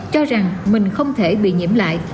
cho rằng mình không thể bị nhiễm lại